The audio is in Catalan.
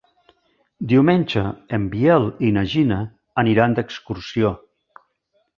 Diumenge en Biel i na Gina aniran d'excursió.